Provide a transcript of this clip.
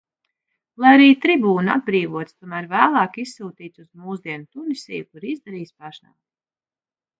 Lai arī tribūna atbrīvots, tomēr vēlāk izsūtīts uz mūsdienu Tunisiju, kur izdarījis pašnāvību.